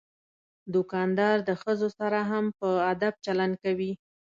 دوکاندار د ښځو سره هم په ادب چلند کوي.